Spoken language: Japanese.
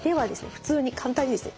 普通に簡単にですね